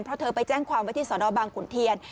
เพราะเธอไปแจ้งความไว้ที่สนบางขุนเทียน